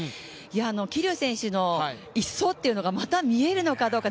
桐生選手の１走というのがまた見れるのかどうか。